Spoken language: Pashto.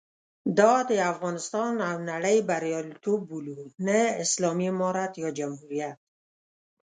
دا د افغانستان او نړۍ بریالیتوب بولو، نه اسلامي امارت یا جمهوریت.